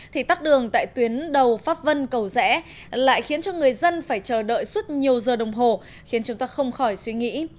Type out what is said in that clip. thì tắc đường tại tuyến đầu pháp vân cầu rẽ lại khiến cho người dân phải chờ đợi suốt nhiều giờ đồng hồ khiến chúng ta không khỏi suy nghĩ